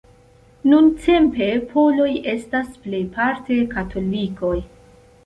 Nuntempe Poloj estas plejparte katolikoj.